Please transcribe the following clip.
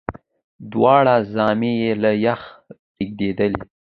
دواړي زامي یې له یخه رېږدېدلې